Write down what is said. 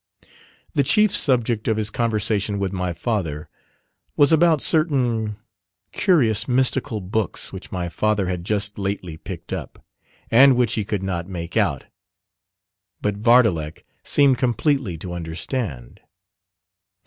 The chief subject of his conversation with my father was about certain curious mystical books which my father had just lately picked up, and which he could not make out, but Vardalek seemed completely to understand.